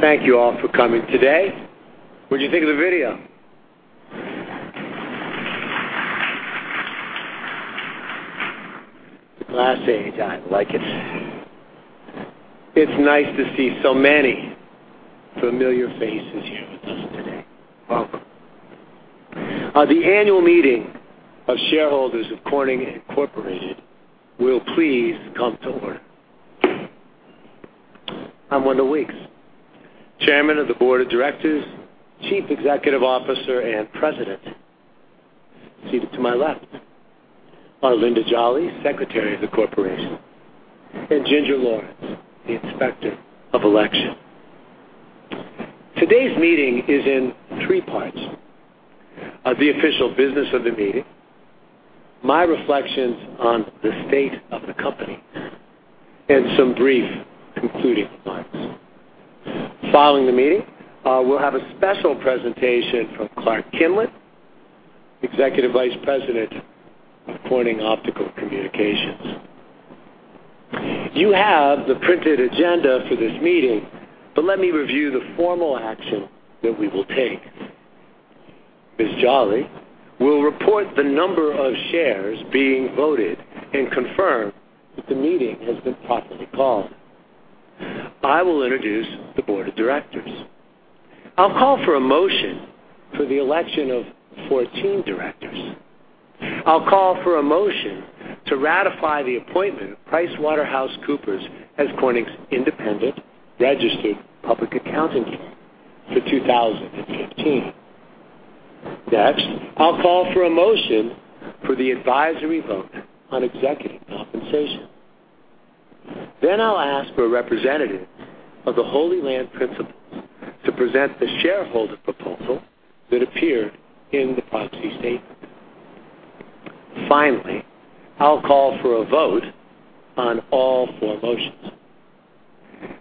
Thank you all for coming today. What did you think of the video? The glass age, I like it. It's nice to see so many familiar faces here with us today. Welcome. The annual meeting of shareholders of Corning Incorporated will please come to order. I'm Wendell Weeks, chairman of the board of directors, chief executive officer, and president. Seated to my left are Linda Jolly, Secretary of the Corporation, and Ginger Lawrence, the Inspector of Election. Today's meeting is in three parts: the official business of the meeting, my reflections on the state of the company, and some brief concluding remarks. Following the meeting, we'll have a special presentation from Clark Kinlin, Executive Vice President of Corning Optical Communications. You have the printed agenda for this meeting, but let me review the formal action that we will take. Ms. Jolly will report the number of shares being voted and confirm that the meeting has been properly called. I will introduce the board of directors. I'll call for a motion for the election of 14 directors. I'll call for a motion to ratify the appointment of PricewaterhouseCoopers as Corning's independent registered public accounting firm for 2015. I'll call for a motion for the advisory vote on executive compensation. I'll ask for a representative of the Holy Land Principles to present the shareholder proposal that appeared in the proxy statement. I'll call for a vote on all four motions.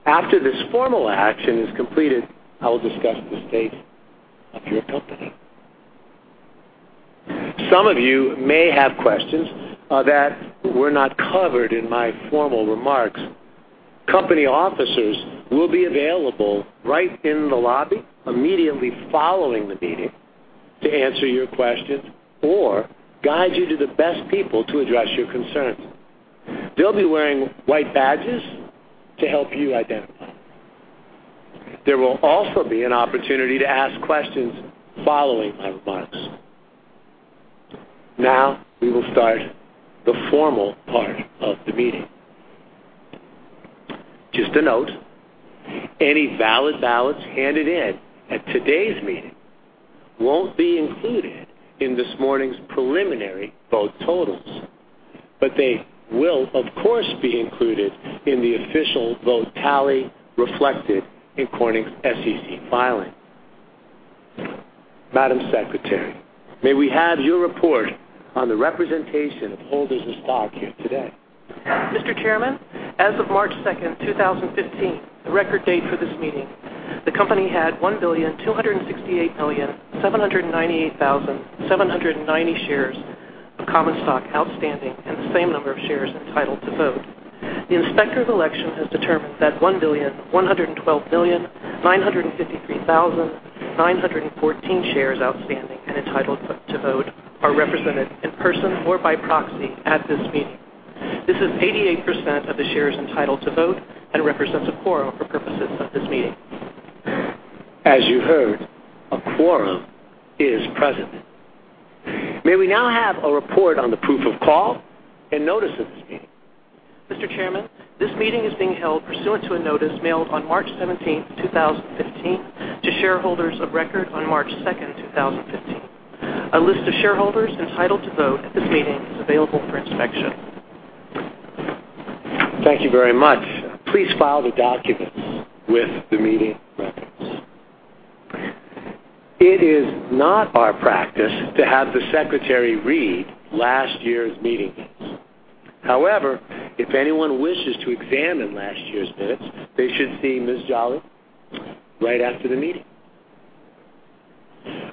After this formal action is completed, I will discuss the state of your company. Some of you may have questions that were not covered in my formal remarks. Company officers will be available right in the lobby immediately following the meeting to answer your questions or guide you to the best people to address your concerns. They'll be wearing white badges to help you identify them. There will also be an opportunity to ask questions following my remarks. We will start the formal part of the meeting. Just a note, any valid ballots handed in at today's meeting won't be included in this morning's preliminary vote totals, but they will, of course, be included in the official vote tally reflected in Corning's SEC filing. Madam Secretary, may we have your report on the representation of holders of stock here today? Mr. Chairman, as of March 2nd, 2015, the record date for this meeting, the company had 1,268,798,790 shares of common stock outstanding and the same number of shares entitled to vote. The Inspector of Election has determined that 1,112,953,914 shares outstanding and entitled to vote are represented in person or by proxy at this meeting. This is 88% of the shares entitled to vote and represents a quorum for purposes of this meeting. As you heard, a quorum is present. May we now have a report on the proof of call and notice of this meeting? Mr. Chairman, this meeting is being held pursuant to a notice mailed on March 17th, 2015, to shareholders of record on March 2nd, 2015. A list of shareholders entitled to vote at this meeting is available for inspection. Thank you very much. Please file the documents with the meeting records. It is not our practice to have the Secretary read last year's meeting minutes. However, if anyone wishes to examine last year's minutes, they should see Ms. Jolly right after the meeting.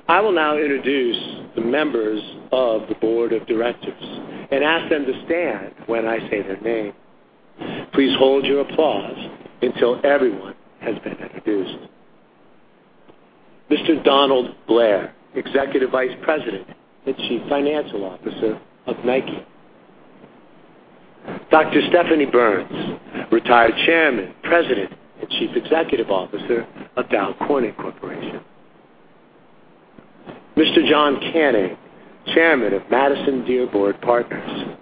I will now introduce the members of the Board of Directors and ask them to stand when I say their name. Please hold your applause until everyone has been introduced. Mr. Donald Blair, Executive Vice President and Chief Financial Officer of NIKE, Inc. Dr. Stephanie Burns, Retired Chairman, President, and Chief Executive Officer of Dow Corning Corporation. Mr. John Canning, Chairman of Madison Dearborn Partners.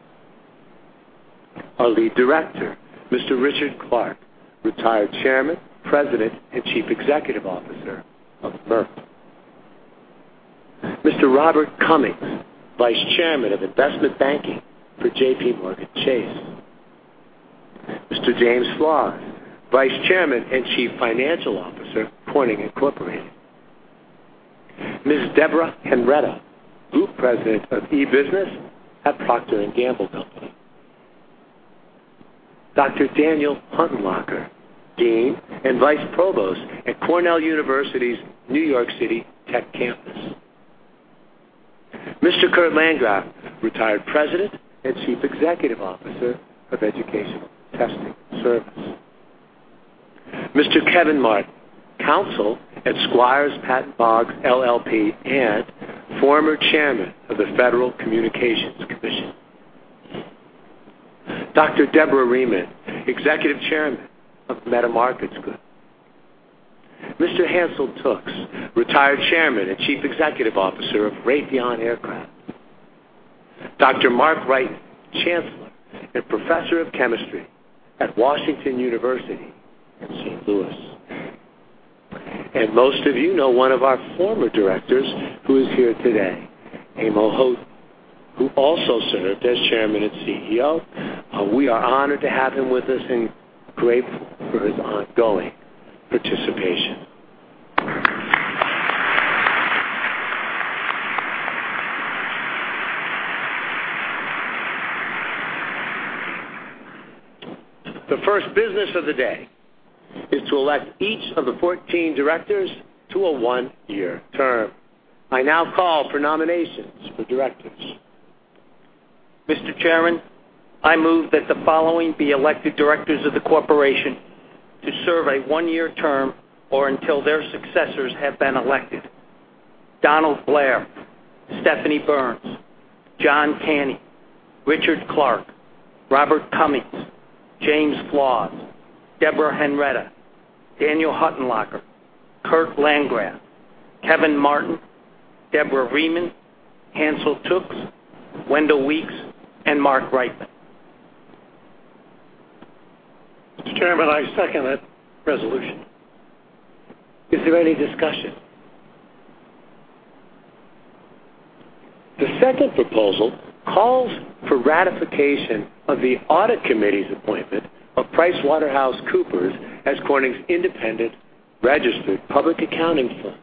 Our Lead Director, Mr. Richard Clark, Retired Chairman, President, and Chief Executive Officer of Merck & Co., Inc. Mr. Robert Cummings, Vice Chairman of Investment Banking for JPMorgan Chase & Co. Mr. James Flaws, Vice Chairman and Chief Financial Officer, Corning Incorporated. Ms. Deborah Henretta, Group President of e-Business at The Procter & Gamble Company. Dr. Daniel Huttenlocher, Dean and Vice Provost at Cornell University's New York City Tech Campus. Mr. Kurt Landgraf, Retired President and Chief Executive Officer of Educational Testing Service. Mr. Kevin Martin, counsel at Squire Patton Boggs LLP and former Chairman of the Federal Communications Commission. Dr. Deborah Rieman, Executive Chairman of Meta Markets Group. Mr. Hansel Tookes, Retired Chairman and Chief Executive Officer of Raytheon Aircraft Company. Dr. Mark Wrighton, Chancellor and Professor of Chemistry at Washington University in St. Louis. Most of you know one of our former directors who is here today, Amo Houghton, who also served as Chairman and CEO. We are honored to have him with us and grateful for his ongoing participation. The first business of the day is to elect each of the 14 directors to a one-year term. I now call for nominations for directors. Mr. Chairman, I move that the following be elected directors of the corporation to serve a one-year term or until their successors have been elected: Donald Blair, Stephanie Burns, John Canning, Richard Clark, Robert Cummings, James Flaws, Deborah Henretta, Daniel Huttenlocher, Kurt Landgraf, Kevin Martin, Deborah Rieman, Hansel Tookes, Wendell Weeks, and Mark Wrighton. Mr. Chairman, I second that resolution. Is there any discussion? The second proposal calls for ratification of the audit committee's appointment of PricewaterhouseCoopers as Corning's independent registered public accounting firm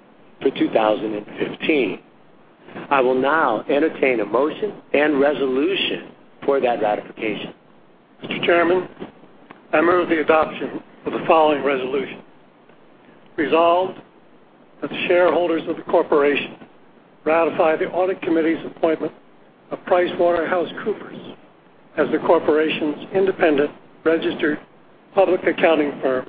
for 2015. I will now entertain a motion and resolution for that ratification. Mr. Chairman, I move the adoption of the following resolution. Resolved that the shareholders of the corporation ratify the audit committee's appointment of PricewaterhouseCoopers as the corporation's independent registered public accounting firm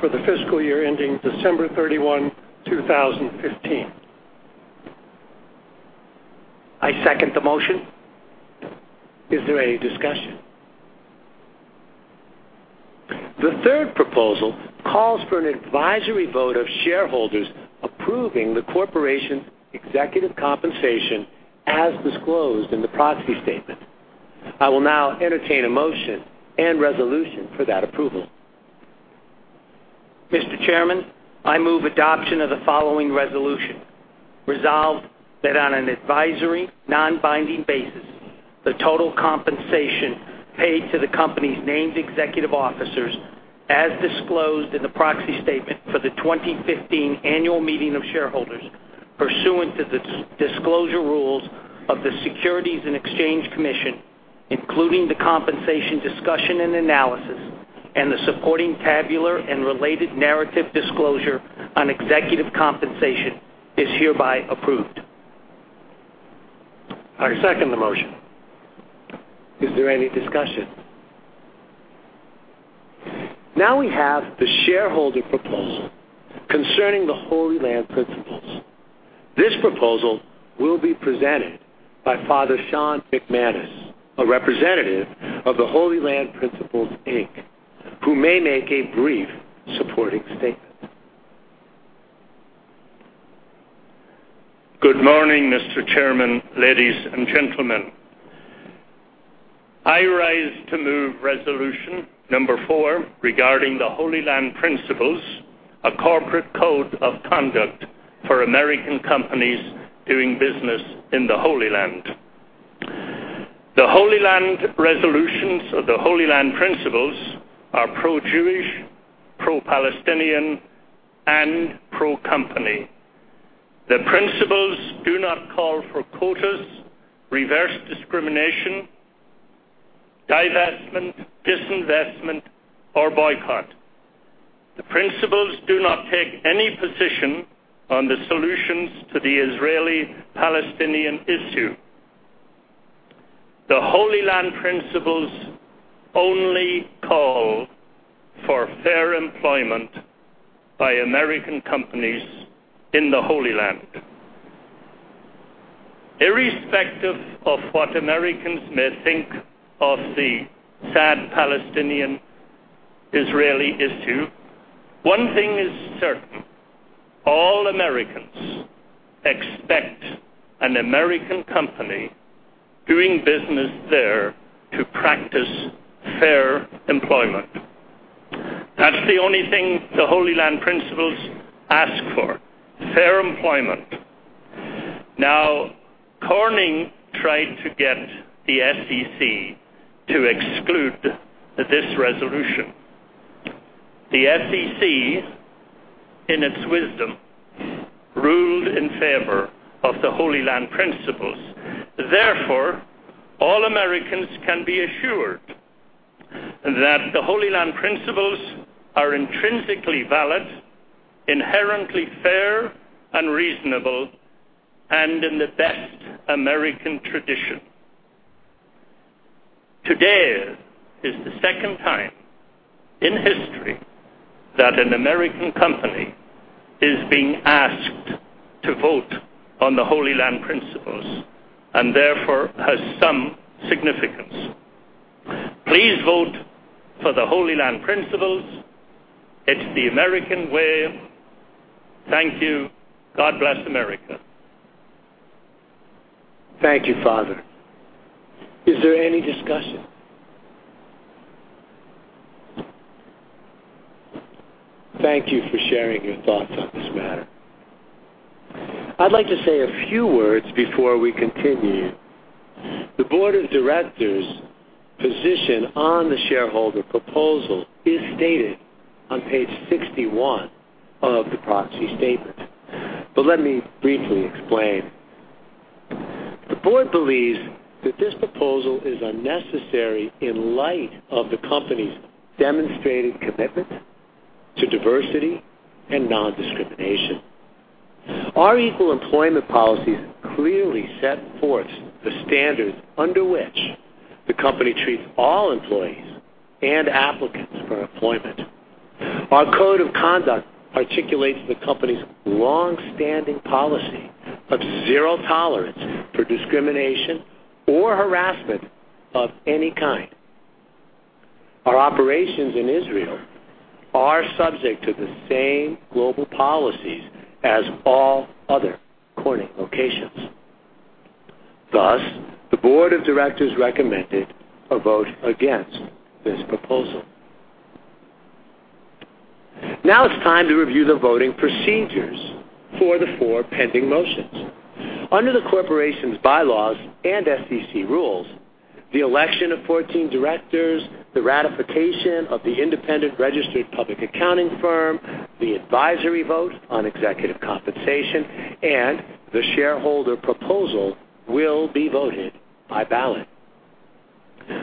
for the fiscal year ending December 31, 2015. I second the motion. Is there any discussion? The third proposal calls for an advisory vote of shareholders approving the corporation's executive compensation as disclosed in the proxy statement. I will now entertain a motion and resolution for that approval. Mr. Chairman, I move adoption of the following resolution. Resolved that on an advisory, non-binding basis, the total compensation paid to the company's named executive officers, as disclosed in the proxy statement for the 2015 annual meeting of shareholders pursuant to the disclosure rules of the Securities and Exchange Commission, including the compensation discussion and analysis and the supporting tabular and related narrative disclosure on executive compensation, is hereby approved. I second the motion. Is there any discussion? We have the shareholder proposal concerning the Holy Land Principles. This proposal will be presented by Father Sean McManus, a representative of the Holy Land Principles, Inc., who may make a brief supporting statement. Good morning, Mr. Chairman, ladies and gentlemen. I rise to move resolution number four regarding the Holy Land Principles, a corporate code of conduct for American companies doing business in the Holy Land. The Holy Land resolutions of the Holy Land Principles are pro-Jewish, pro-Palestinian, and pro-company. The principles do not call for quotas, reverse discrimination, divestment, disinvestment, or boycott. The principles do not take any position on the solutions to the Israeli-Palestinian issue. The Holy Land Principles only call for fair employment by American companies in the Holy Land. Irrespective of what Americans may think of the sad Palestinian-Israeli issue, one thing is certain: all Americans expect an American company doing business there to practice fair employment. That's the only thing the Holy Land Principles ask for, fair employment. Corning tried to get the SEC to exclude this resolution. The SEC, in its wisdom, ruled in favor of the Holy Land Principles. All Americans can be assured that the Holy Land Principles are intrinsically valid, inherently fair and reasonable, and in the best American tradition. Today is the second time in history that an American company is being asked to vote on the Holy Land Principles, has some significance. Please vote for the Holy Land Principles. It's the American way. Thank you. God bless America. Thank you, Father. Is there any discussion? Thank you for sharing your thoughts on this matter. I'd like to say a few words before we continue. The board of directors' position on the shareholder proposal is stated on page 61 of the proxy statement. Let me briefly explain. The board believes that this proposal is unnecessary in light of the company's demonstrated commitment to diversity and non-discrimination. Our equal employment policies clearly set forth the standards under which the company treats all employees and applicants for employment. Our code of conduct articulates the company's longstanding policy of zero tolerance for discrimination or harassment of any kind. Our operations in Israel are subject to the same global policies as all other Corning locations. The board of directors recommended a vote against this proposal. It's time to review the voting procedures for the four pending motions. Under the corporation's bylaws and SEC rules, the election of 14 directors, the ratification of the independent registered public accounting firm, the advisory vote on executive compensation, and the shareholder proposal will be voted by ballot.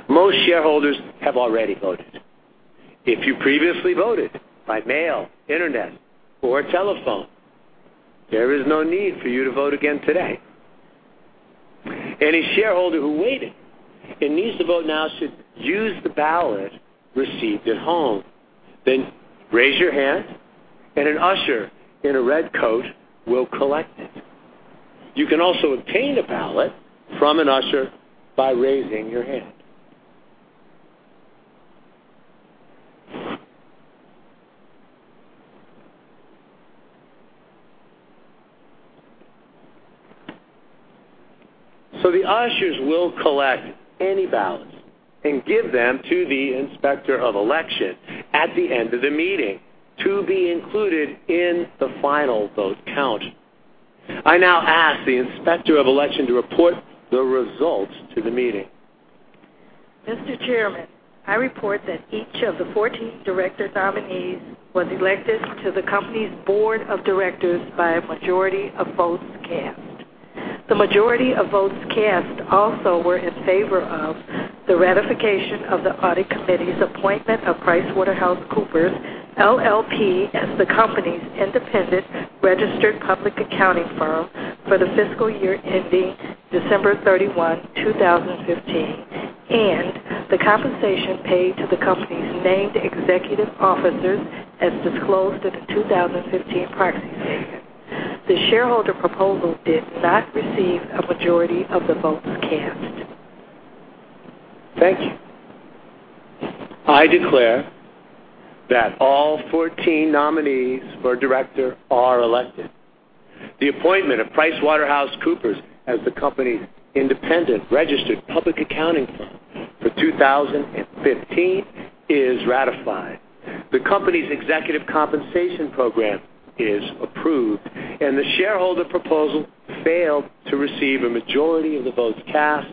Most shareholders have already voted. If you previously voted by mail, internet, or telephone, there is no need for you to vote again today. Any shareholder who waited and needs to vote now should use the ballot received at home. Raise your hand, and an usher in a red coat will collect it. You can also obtain a ballot from an usher by raising your hand. The ushers will collect any ballots and give them to the Inspector of Election at the end of the meeting to be included in the final vote count. I now ask the Inspector of Election to report the results to the meeting. Mr. Chairman, I report that each of the 14 director nominees was elected to the company's board of directors by a majority of votes cast. The majority of votes cast also were in favor of the ratification of the Audit Committee's appointment of PricewaterhouseCoopers, LLP as the company's independent registered public accounting firm for the fiscal year ending December 31, 2015, and the compensation paid to the company's named executive officers as disclosed in the 2015 proxy statement. The shareholder proposal did not receive a majority of the votes cast. Thank you. I declare that all 14 nominees for director are elected. The appointment of PricewaterhouseCoopers as the company's independent registered public accounting firm for 2015 is ratified. The company's executive compensation program is approved. The shareholder proposal failed to receive a majority of the votes cast,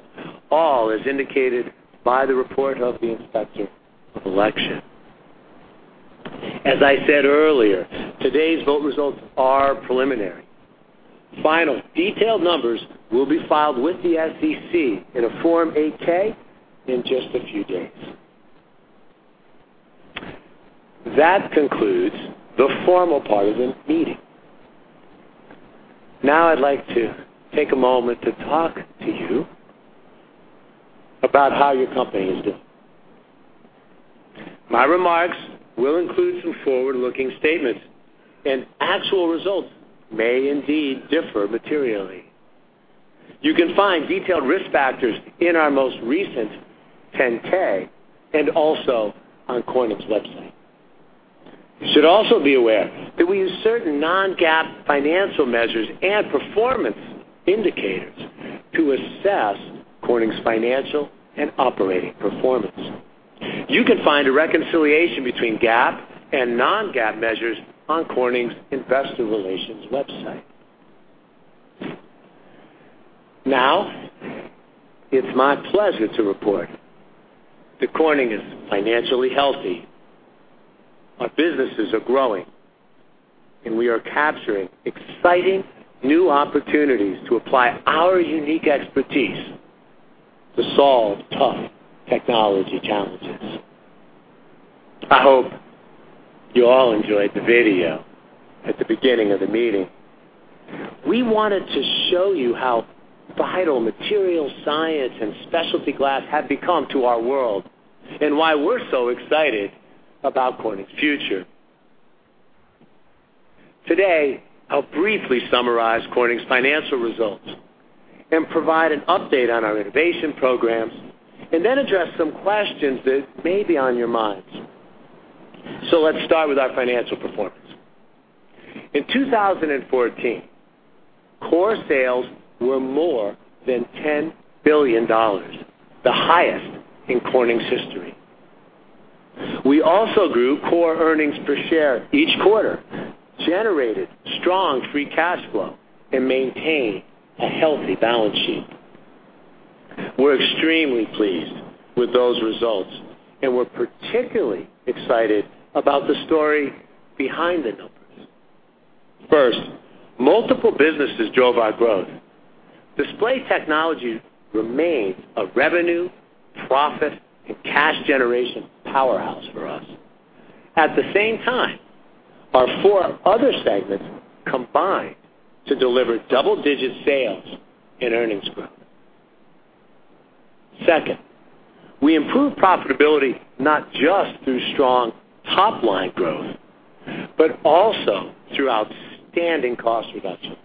all as indicated by the report of the Inspector of Election. As I said earlier, today's vote results are preliminary. Final detailed numbers will be filed with the SEC in a Form 8-K in just a few days. That concludes the formal part of the meeting. I'd like to take a moment to talk to you about how your company is doing. My remarks will include some forward-looking statements. Actual results may indeed differ materially. You can find detailed risk factors in our most recent 10-K and also on corning's website. You should also be aware that we use certain non-GAAP financial measures and performance indicators to assess Corning's financial and operating performance. You can find a reconciliation between GAAP and non-GAAP measures on corning's investor relations website. It's my pleasure to report that Corning is financially healthy. Our businesses are growing, and we are capturing exciting new opportunities to apply our unique expertise to solve tough technology challenges. I hope you all enjoyed the video at the beginning of the meeting. We wanted to show you how vital material science and specialty glass have become to our world, and why we're so excited about Corning's future. Today, I'll briefly summarize Corning's financial results and provide an update on our innovation programs, and then address some questions that may be on your minds. Let's start with our financial performance. In 2014, core sales were more than $10 billion, the highest in Corning's history. We also grew core earnings per share each quarter, generated strong free cash flow, and maintained a healthy balance sheet. We're extremely pleased with those results, and we're particularly excited about the story behind the numbers. First, multiple businesses drove our growth. Display technology remains a revenue, profit, and cash generation powerhouse for us. At the same time, our four other segments combined to deliver double-digit sales and earnings growth. Second, we improved profitability not just through strong top-line growth, but also through outstanding cost reductions.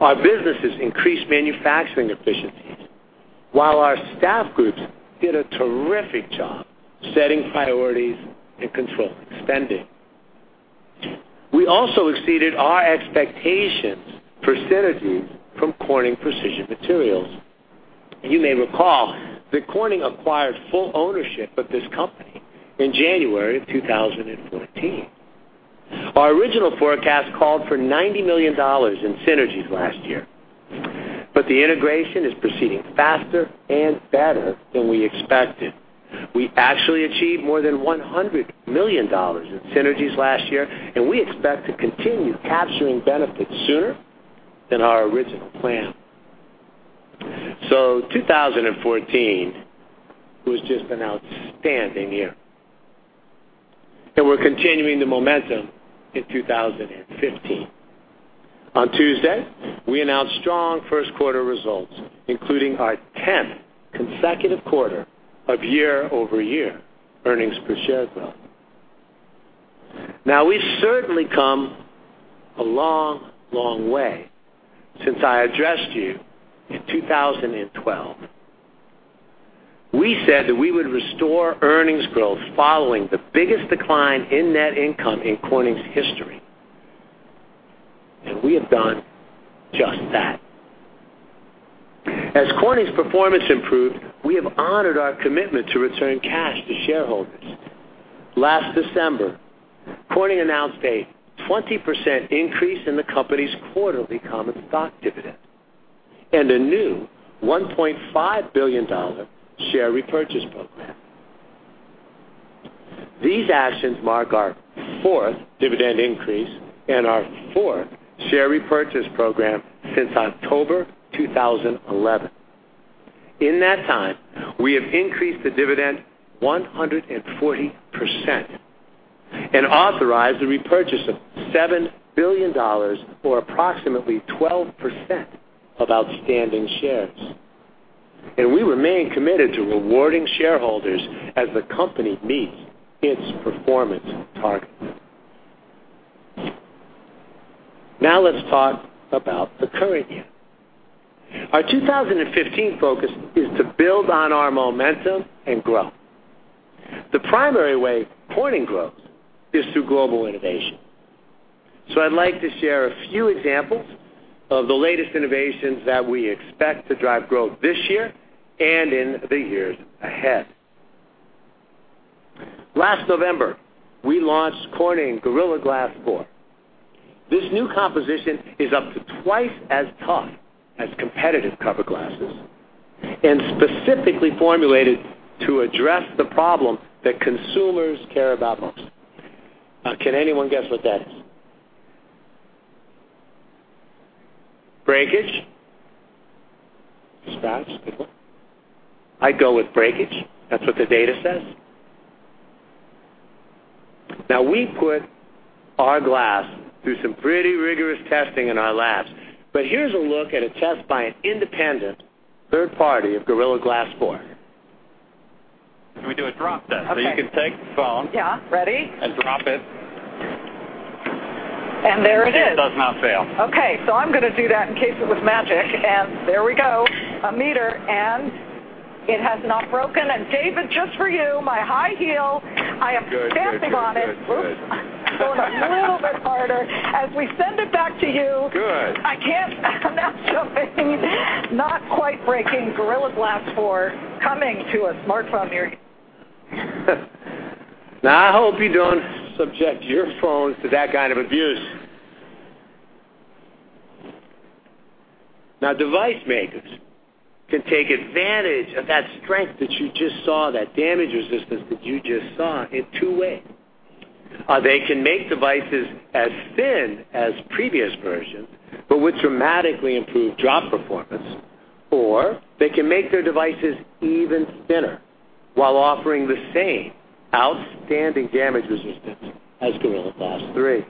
Our businesses increased manufacturing efficiencies while our staff groups did a terrific job setting priorities and controlling spending. We also exceeded our expectations for synergies from Corning Precision Materials. You may recall that Corning acquired full ownership of this company in January of 2014. Our original forecast called for $90 million in synergies last year, but the integration is proceeding faster and better than we expected. We actually achieved more than $100 million in synergies last year, and we expect to continue capturing benefits sooner than our original plan. 2014 was just an outstanding year, and we're continuing the momentum in 2015. On Tuesday, we announced strong first-quarter results, including our 10th consecutive quarter of year-over-year earnings per share growth. We've certainly come a long way since I addressed you in 2012. We said that we would restore earnings growth following the biggest decline in net income in Corning's history, and we have done just that. As Corning's performance improved, we have honored our commitment to return cash to shareholders. Last December, Corning announced a 20% increase in the company's quarterly common stock dividend and a new $1.5 billion share repurchase program. These actions mark our fourth dividend increase and our fourth share repurchase program since October 2011. In that time, we have increased the dividend 140% and authorized the repurchase of $7 billion, or approximately 12% of outstanding shares. We remain committed to rewarding shareholders as the company meets its performance targets. Let's talk about the current year. Our 2015 focus is to build on our momentum and grow. The primary way Corning grows is through global innovation. I'd like to share a few examples of the latest innovations that we expect to drive growth this year and in the years ahead. Last November, we launched Corning Gorilla Glass 4. This new composition is up to twice as tough as competitive cover glasses and specifically formulated to address the problem that consumers care about most. Can anyone guess what that is? Breakage? Scratch, good one. I'd go with breakage. That's what the data says. We put our glass through some pretty rigorous testing in our labs. Here's a look at a test by an independent third party of Gorilla Glass 4. We do a drop test. Okay. You can take the phone- Yeah. Ready? Drop it. There it is. You can see it does not fail. Okay, I'm going to do that in case it was magic. There we go, a meter, and it has not broken. David, just for you, my high heel, I am stamping on it. Good. Going a little bit harder as we send it back to you. Good. I can't mess something not quite breaking. Gorilla Glass 4 coming to a smartphone near you. I hope you don't subject your phone to that kind of abuse. Device makers can take advantage of that strength that you just saw, that damage resistance that you just saw, in two ways. They can make devices as thin as previous versions, but with dramatically improved drop performance, or they can make their devices even thinner while offering the same outstanding damage resistance as Gorilla Glass 3.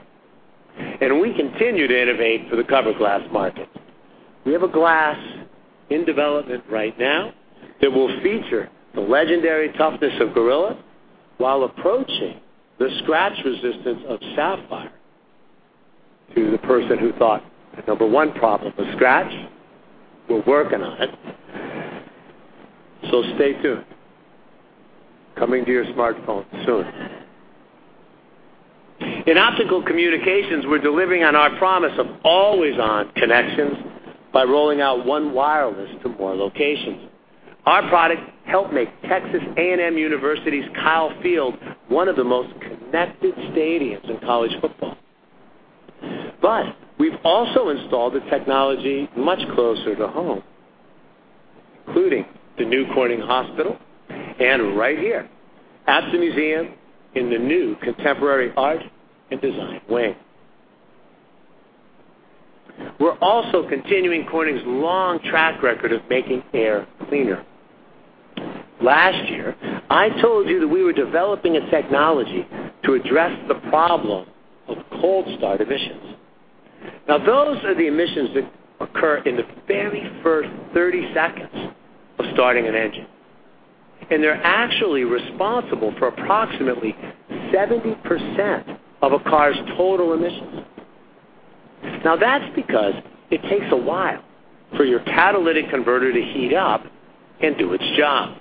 We continue to innovate for the cover glass market. We have a glass in development right now that will feature the legendary toughness of Gorilla while approaching the scratch resistance of Sapphire. To the person who thought the number one problem was scratch, we're working on it, so stay tuned. Coming to your smartphone soon. In optical communications, we're delivering on our promise of always-on connections by rolling out One Wireless to more locations. Our products help make Texas A&M University's Kyle Field one of the most connected stadiums in college football. We've also installed the technology much closer to home, including the new Corning Hospital and right here at the museum in the new Contemporary Art and Design wing. We're also continuing Corning's long track record of making air cleaner. Last year, I told you that we were developing a technology to address the problem of cold start emissions. Those are the emissions that occur in the very first 30 seconds of starting an engine, and they're actually responsible for approximately 70% of a car's total emissions. That's because it takes a while for your catalytic converter to heat up and do its job.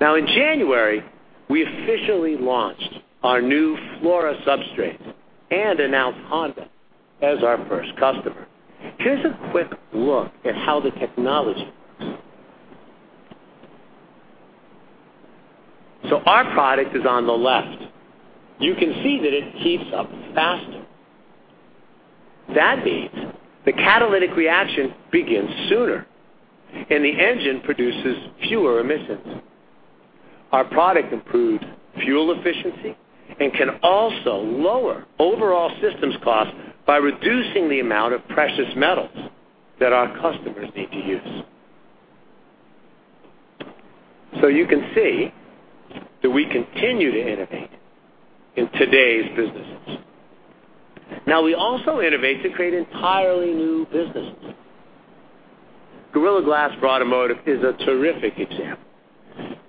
In January, we officially launched our new FLORA substrate and announced Honda as our first customer. Here's a quick look at how the technology works. Our product is on the left. You can see that it heats up faster. That means the catalytic reaction begins sooner, and the engine produces fewer emissions. Our product improves fuel efficiency and can also lower overall systems cost by reducing the amount of precious metals that our customers need to use. You can see that we continue to innovate in today's businesses. We also innovate to create entirely new businesses. Gorilla Glass Automotive is a terrific example.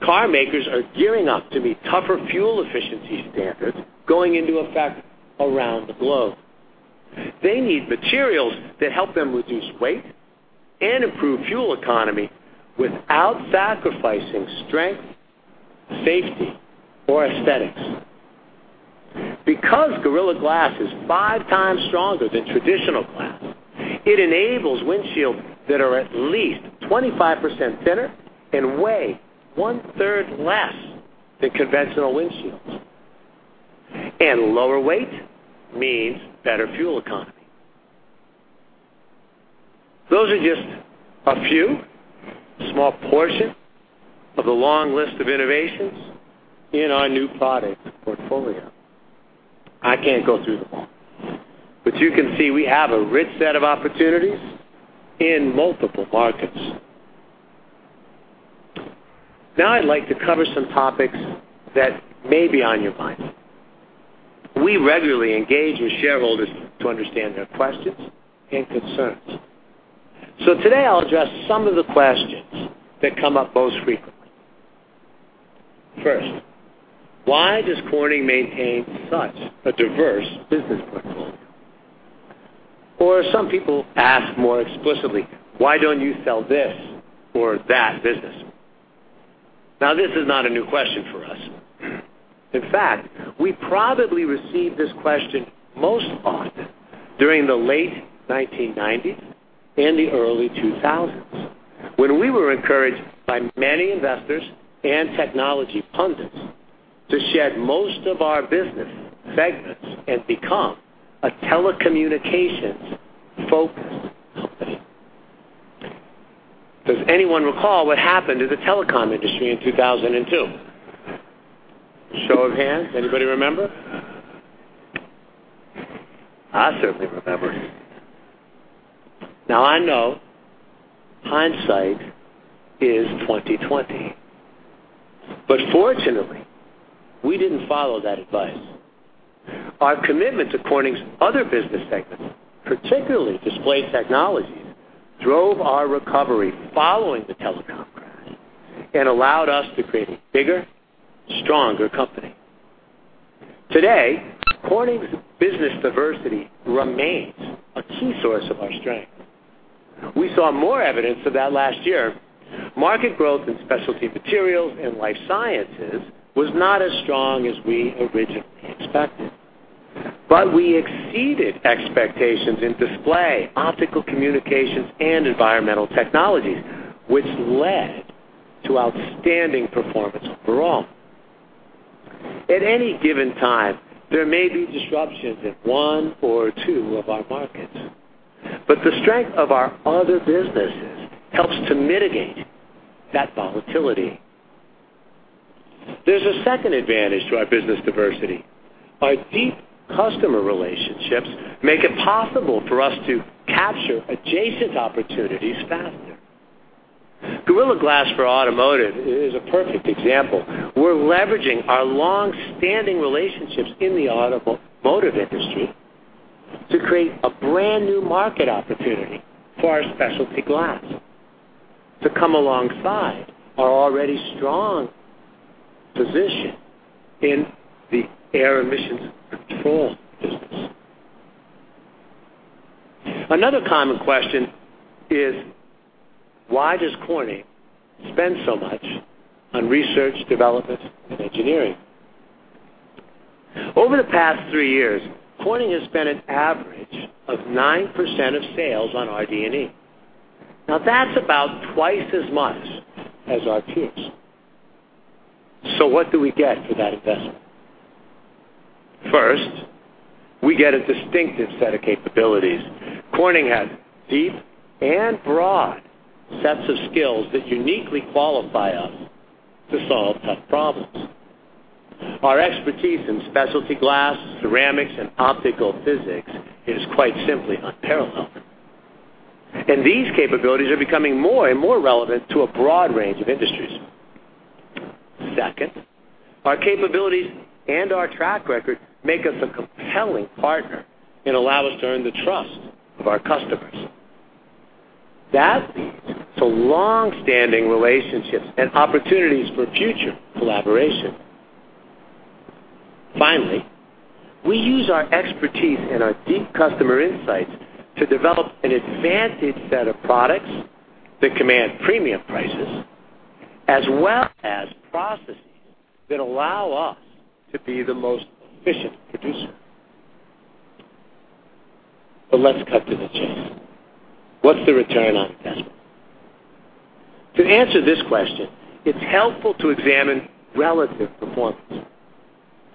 Car makers are gearing up to meet tougher fuel efficiency standards going into effect around the globe. They need materials that help them reduce weight and improve fuel economy without sacrificing strength, safety, or aesthetics. Because Gorilla Glass is five times stronger than traditional glass, it enables windshields that are at least 25% thinner and weigh one-third less than conventional windshields. Lower weight means better fuel economy. Those are just a few small portion of the long list of innovations in our new product portfolio. I can't go through them all, but you can see we have a rich set of opportunities in multiple markets. I'd like to cover some topics that may be on your mind. We regularly engage with shareholders to understand their questions and concerns. Today, I'll address some of the questions that come up most frequently. First, why does Corning maintain such a diverse business portfolio? Some people ask more explicitly, "Why don't you sell this or that business?" This is not a new question for us. In fact, I probably received this question most often during the late 1990s and the early 2000s, when we were encouraged by many investors and technology pundits to shed most of our business segments and become a telecommunications-focused company. Does anyone recall what happened to the telecom industry in 2002? Show of hands. Anybody remember? I certainly remember. I know hindsight is 20/20, but fortunately, we didn't follow that advice. Our commitment to Corning's other business segments, particularly Display Technologies, drove our recovery following the telecom crash and allowed us to create a bigger, stronger company. Today, Corning's business diversity remains a key source of our strength. We saw more evidence of that last year. Market growth in Specialty Materials and Life Sciences was not as strong as we originally expected, but we exceeded expectations in Display, Optical Communications, and Environmental Technologies, which led to outstanding performance overall. At any given time, there may be disruptions in one or two of our markets, but the strength of our other businesses helps to mitigate that volatility. There's a second advantage to our business diversity. Our deep customer relationships make it possible for us to capture adjacent opportunities faster. Gorilla Glass for Automotive is a perfect example. We're leveraging our long-standing relationships in the automotive industry to create a brand-new market opportunity for our specialty glass to come alongside our already strong position in the air emissions control business. Another common question is, why does Corning spend so much on research, development, and engineering? Over the past three years, Corning has spent an average of 9% of sales on RD&E. That's about twice as much as our peers. What do we get for that investment? First, we get a distinctive set of capabilities. Corning has deep and broad sets of skills that uniquely qualify us to solve tough problems. Our expertise in specialty glass, ceramics, and optical physics is quite simply unparalleled. These capabilities are becoming more and more relevant to a broad range of industries. Second, our capabilities and our track record make us a compelling partner and allow us to earn the trust of our customers. That leads to long-standing relationships and opportunities for future collaboration. Finally, we use our expertise and our deep customer insights to develop an advanced set of products that command premium prices, as well as processes that allow us to be the most efficient producer. Let's cut to the chase. What's the return on investment? To answer this question, it's helpful to examine relative performance.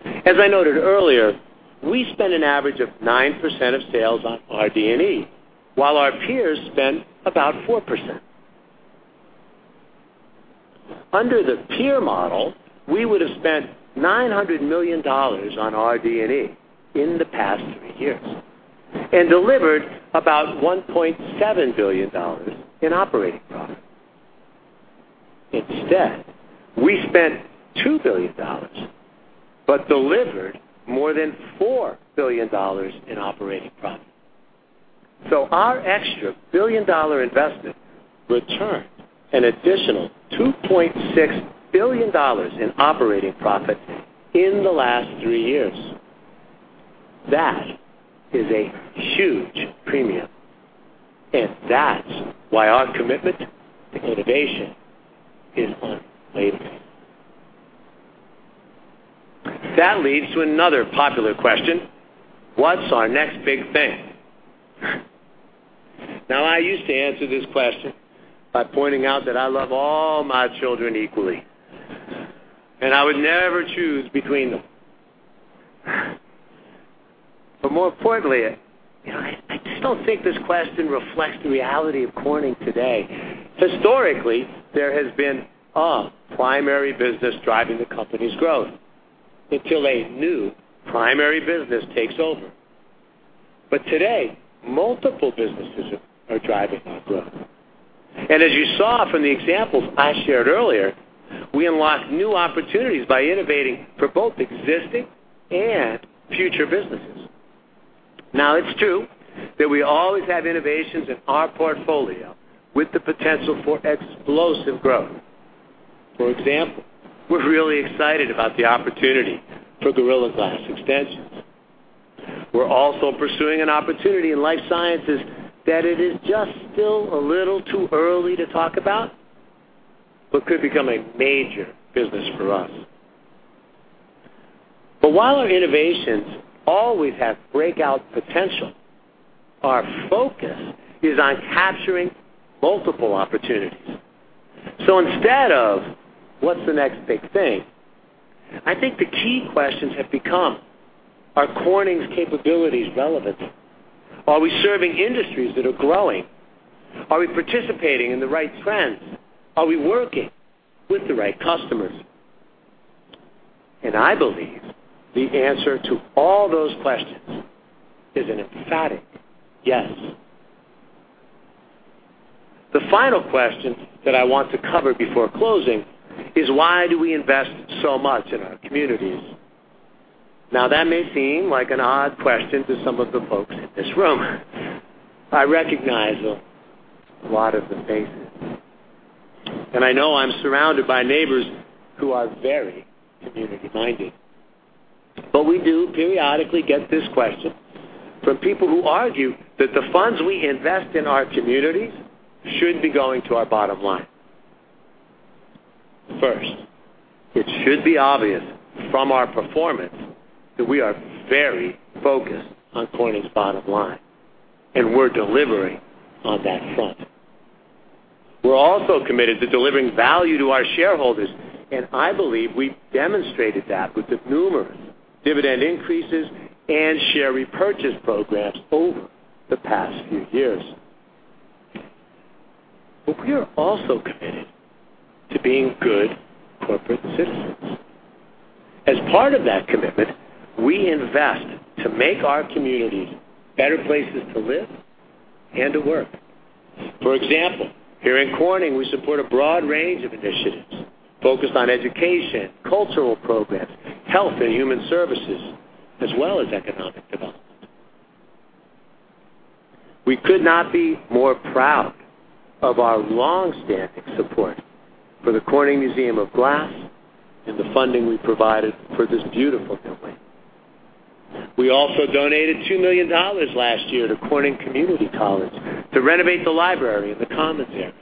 As I noted earlier, we spend an average of 9% of sales on RD&E, while our peers spend about 4%. Under the peer model, we would have spent $900 million on RD&E in the past three years and delivered about $1.7 billion in operating profit. Instead, we spent $2 billion but delivered more than $4 billion in operating profit. Our extra billion-dollar investment returned an additional $2.6 billion in operating profit in the last three years. That is a huge premium, and that's why our commitment to innovation is unwavering. That leads to another popular question. What's our next big thing? I used to answer this question by pointing out that I love all my children equally, and I would never choose between them. More importantly, I just don't think this question reflects the reality of Corning today. Historically, there has been a primary business driving the company's growth until a new primary business takes over. Today, multiple businesses are driving our growth. As you saw from the examples I shared earlier, we unlock new opportunities by innovating for both existing and future businesses. Now, it's true that we always have innovations in our portfolio with the potential for explosive growth. For example, we're really excited about the opportunity for Gorilla Glass extensions. We're also pursuing an opportunity in Life Sciences that it is just still a little too early to talk about, but could become a major business for us. While our innovations always have breakout potential, our focus is on capturing multiple opportunities. Instead of what's the next big thing? I think the key questions have become, are Corning's capabilities relevant? Are we serving industries that are growing? Are we participating in the right trends? Are we working with the right customers? I believe the answer to all those questions is an emphatic yes. The final question that I want to cover before closing is why do we invest so much in our communities? Now, that may seem like an odd question to some of the folks in this room. I recognize a lot of the faces, and I know I'm surrounded by neighbors who are very community-minded. We do periodically get this question from people who argue that the funds we invest in our communities should be going to our bottom line. First, it should be obvious from our performance that we are very focused on Corning's bottom line, and we're delivering on that front. We're also committed to delivering value to our shareholders, and I believe we've demonstrated that with the numerous dividend increases and share repurchase programs over the past few years. We are also committed to being good corporate citizens. As part of that commitment, we invest to make our communities better places to live and to work. For example, here in Corning, we support a broad range of initiatives focused on education, cultural programs, health and human services, as well as economic development. We could not be more proud of our longstanding support for the Corning Museum of Glass and the funding we provided for this beautiful building. We also donated $2 million last year to Corning Community College to renovate the library and the commons area.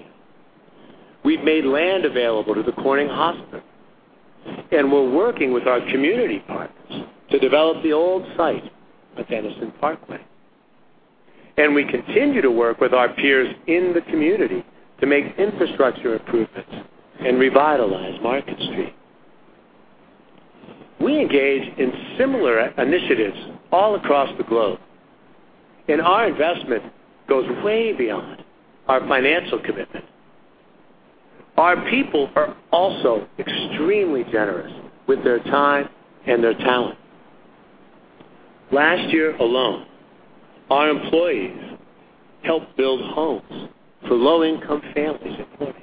We've made land available to the Corning Hospital, and we're working with our community partners to develop the old site at Denison Parkway, and we continue to work with our peers in the community to make infrastructure improvements and revitalize Market Street. We engage in similar initiatives all across the globe, and our investment goes way beyond our financial commitment. Our people are also extremely generous with their time and their talent. Last year alone, our employees helped build homes for low-income families in Corning.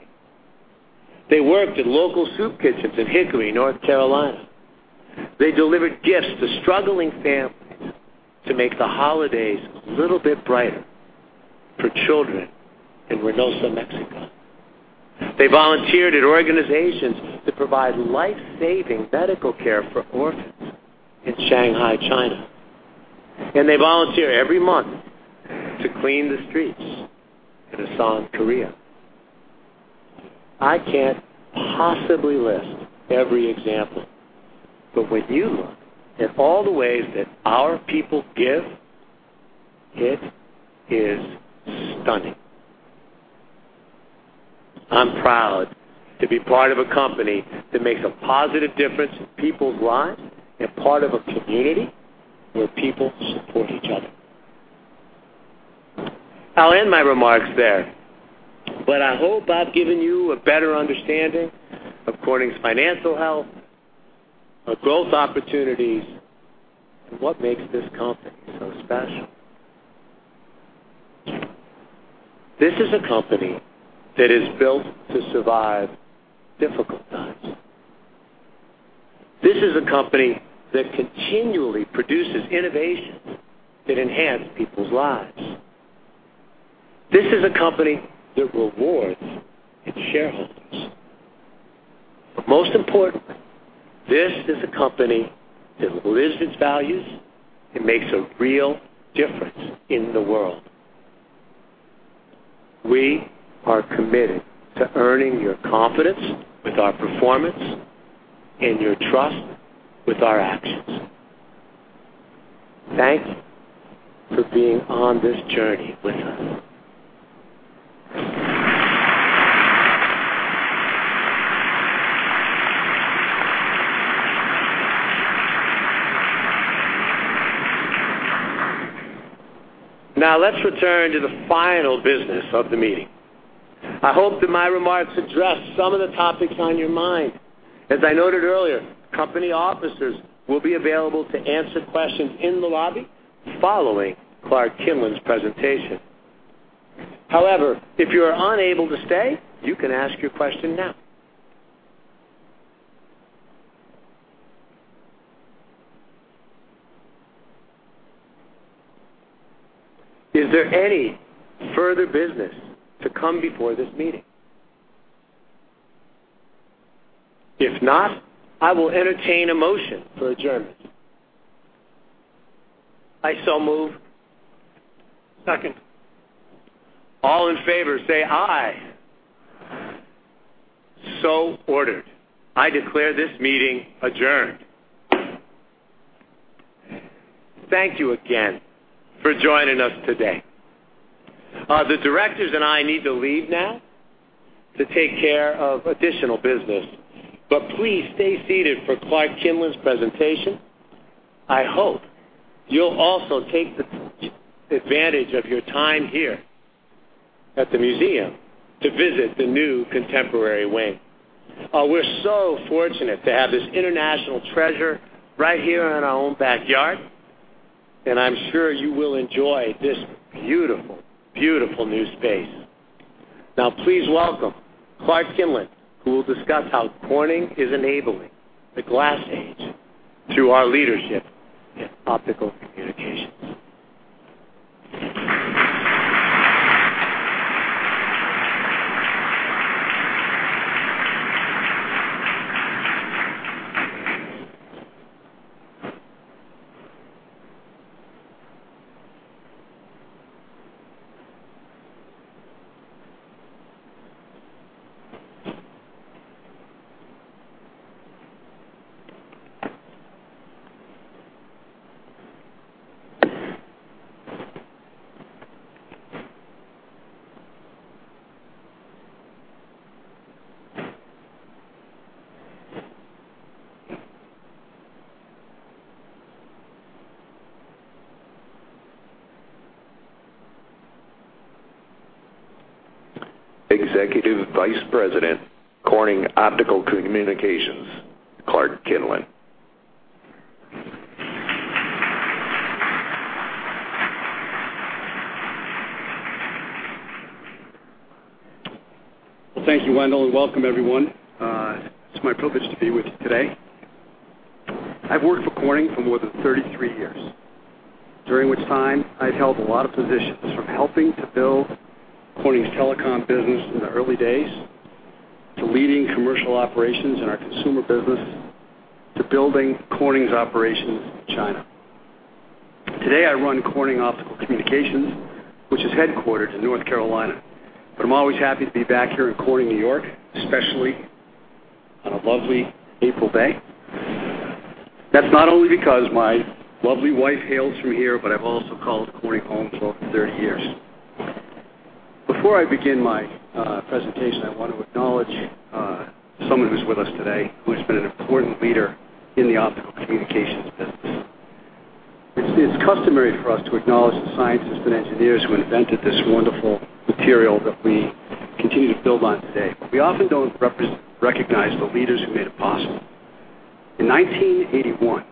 They worked at local soup kitchens in Hickory, North Carolina. They delivered gifts to struggling families to make the holidays a little bit brighter for children in Reynosa, Mexico. They volunteered at organizations that provide life-saving medical care for orphans in Shanghai, China, and they volunteer every month to clean the streets in Asan, Korea. I can't possibly list every example, but when you look at all the ways that our people give, it is stunning. I'm proud to be part of a company that makes a positive difference in people's lives and part of a community where people support each other. I'll end my remarks there, but I hope I've given you a better understanding of Corning's financial health, our growth opportunities, and what makes this company so special. This is a company that is built to survive difficult times. This is a company that continually produces innovations that enhance people's lives. This is a company that rewards its shareholders. Most importantly, this is a company that lives its values and makes a real difference in the world. We are committed to earning your confidence with our performance and your trust with our actions. Thank you for being on this journey with us. Let's return to the final business of the meeting. I hope that my remarks addressed some of the topics on your mind. As I noted earlier, company officers will be available to answer questions in the lobby following Clark Kinlin's presentation. If you are unable to stay, you can ask your question now. Is there any further business to come before this meeting? If not, I will entertain a motion for adjournment. I so move. Second. All in favor, say aye. Ordered. I declare this meeting adjourned. Thank you again for joining us today. The directors and I need to leave now to take care of additional business, please stay seated for Clark Kinlin's presentation. I hope you'll also take advantage of your time here at the museum to visit the new Contemporary Wing. We're so fortunate to have this international treasure right here in our own backyard, and I'm sure you will enjoy this beautiful new space. Please welcome Clark Kinlin, who will discuss how Corning is enabling the Glass Age through our leadership in optical communications. Executive Vice President, Corning Optical Communications, Clark Kinlin. Thank you, Wendell, and welcome everyone. It's my privilege to be with you today. I've worked for Corning for more than 33 years, during which time I've held a lot of positions, from helping to build Corning's telecom business in the early days, to leading commercial operations in our consumer business, to building Corning's operations in China. Today, I run Corning Optical Communications, which is headquartered in North Carolina, I'm always happy to be back here in Corning, New York, especially on a lovely April day. That's not only because my lovely wife hails from here, I've also called Corning home for over 30 years. Before I begin my presentation, I want to acknowledge someone who's with us today who's been an important leader in the optical communications business. It's customary for us to acknowledge the scientists and engineers who invented this wonderful material that we continue to build on today. We often don't recognize the leaders who made it possible. In 1981,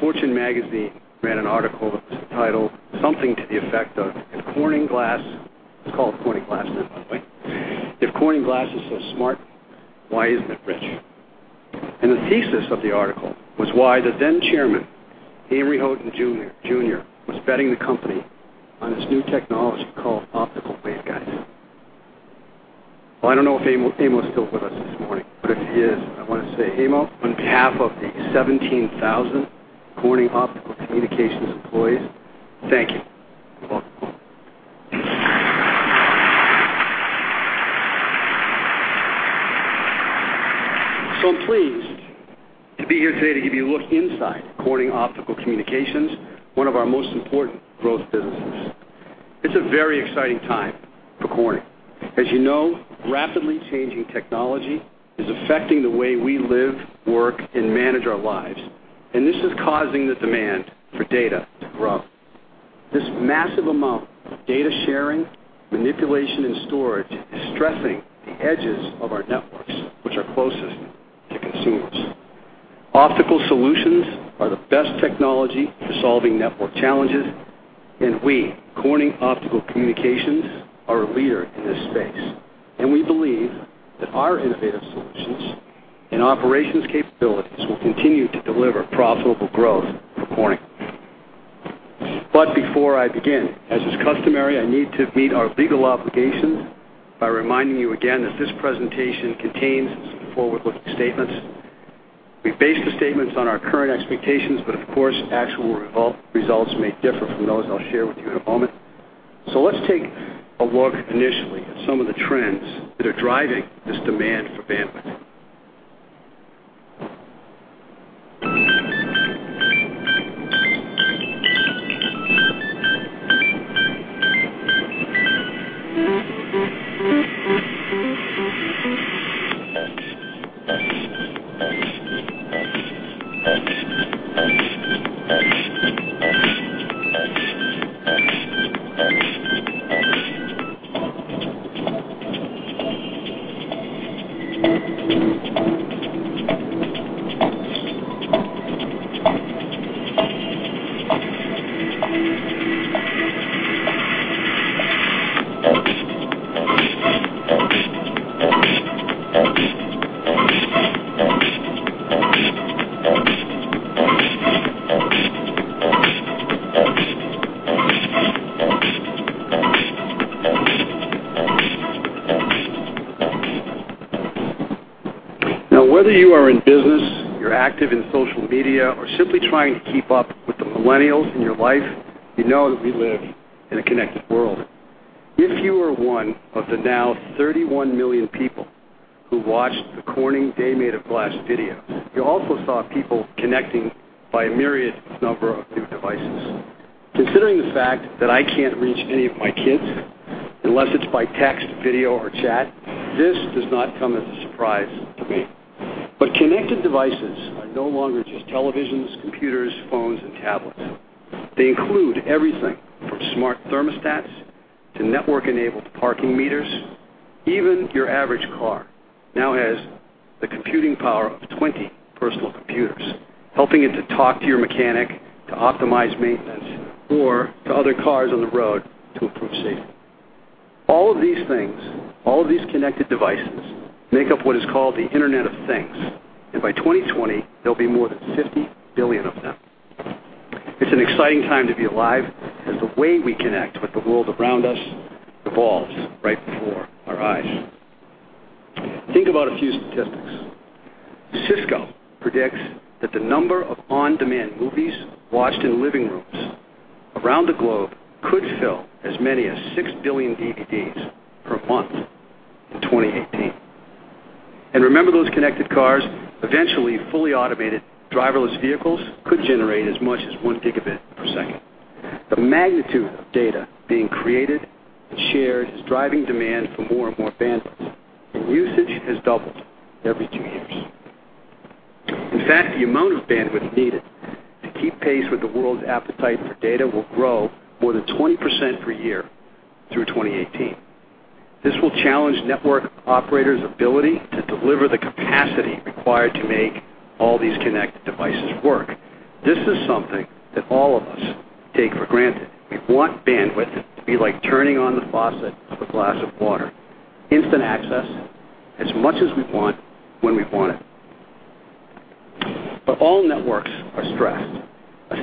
Fortune ran an article that was titled something to the effect of, If Corning Glass It was called Corning Glass then, by the way. If Corning Glass is so smart, why isn't it rich? The thesis of the article was why the then Chairman, Amory Houghton Jr., was betting the company on this new technology called optical waveguides. I don't know if Amo's still with us this morning, but if he is, I want to say, Amo, on behalf of the 17,000 Corning Optical Communications employees, thank you. Well done. I'm pleased to be here today to give you a look inside Corning Optical Communications, one of our most important growth businesses. It's a very exciting time for Corning. As you know, rapidly changing technology is affecting the way we live, work, and manage our lives, and this is causing the demand for data to grow. This massive amount of data sharing, manipulation, and storage is stressing the edges of our networks, which are closest to consumers. Optical solutions are the best technology for solving network challenges, and we, Corning Optical Communications, are a leader in this space. We believe that our innovative solutions and operations capabilities will continue to deliver profitable growth for Corning. Before I begin, as is customary, I need to meet our legal obligations by reminding you again that this presentation contains some forward-looking statements. We base the statements on our current expectations, of course, actual results may differ from those I'll share with you in a moment. Let's take a look initially at some of the trends that are driving this demand for bandwidth. Whether you are in business, you're active in social media, or simply trying to keep up with the millennials in your life, you know that we live in a connected world. If you are one of the now 31 million people who watched the Corning A Day Made of Glass videos, you also saw people connecting by a myriad number of new devices. Considering the fact that I can't reach any of my kids unless it's by text, video, or chat, this does not come as a surprise to me. Connected devices are no longer just televisions, computers, phones, and tablets. They include everything from smart thermostats to network-enabled parking meters. Even your average car now has the computing power of 20 personal computers, helping it to talk to your mechanic, to optimize maintenance, or to other cars on the road to improve safety. All of these things, all of these connected devices, make up what is called the Internet of Things, and by 2020, there'll be more than 50 billion of them. It's an exciting time to be alive, as the way we connect with the world around us evolves right before our eyes. Think about a few statistics. Cisco predicts that the number of on-demand movies watched in living rooms around the globe could fill as many as 6 billion DVDs per month in 2018. Remember, those connected cars, eventually fully automated driverless vehicles could generate as much as one gigabit per second. The magnitude of data being created and shared is driving demand for more and more bandwidth, and usage has doubled every two years. In fact, the amount of bandwidth needed to keep pace with the world's appetite for data will grow more than 20% per year through 2018. This will challenge network operators' ability to deliver the capacity required to make all these connected devices work. This is something that all of us take for granted. We want bandwidth to be like turning on the faucet for a glass of water, instant access, as much as we want, when we want it. All networks are stressed,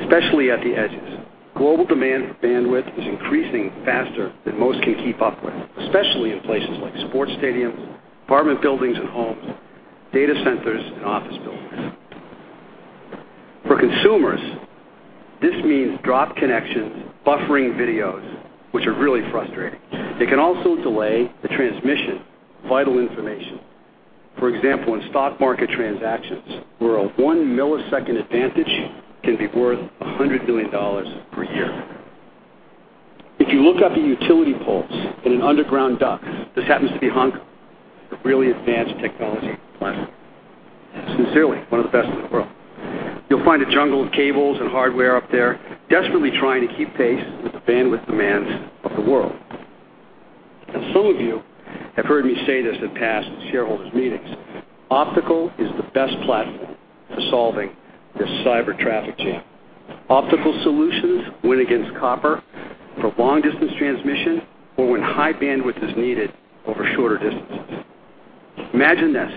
especially at the edges. Global demand for bandwidth is increasing faster than most can keep up with, especially in places like sports stadiums, apartment buildings and homes, data centers, and office buildings. For consumers, this means dropped connections, buffering videos, which are really frustrating. It can also delay the transmission of vital information. For example, in stock market transactions, where a one-millisecond advantage can be worth $100 million per year. If you look up the utility poles in an underground duct, this happens to be Hong Kong, a really advanced technology platform, sincerely one of the best in the world. You'll find a jungle of cables and hardware up there, desperately trying to keep pace with the bandwidth demands of the world. Some of you have heard me say this in past shareholders' meetings, optical is the best platform for solving this cyber traffic jam. Optical solutions win against copper for long-distance transmission or when high bandwidth is needed over shorter distances. Imagine this,